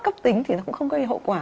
cấp tính thì nó cũng không gây hậu quả